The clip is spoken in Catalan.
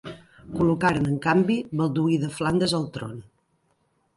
Col·locaren, en canvi, Balduí de Flandes al tron.